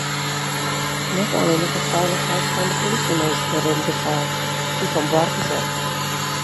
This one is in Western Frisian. Net allinnich de feilichheid fan de polysjeminsken rint gefaar, dy fan boargers ek.